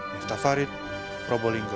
mieftah farid probolinggo